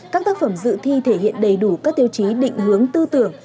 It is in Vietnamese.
các tác phẩm dự thi thể hiện đầy đủ các tiêu chí định hướng tư tưởng